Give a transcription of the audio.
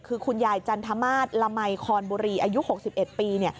คือคุณยายจันทมาสละมัยคอนบุรีอายุ๖๑ปี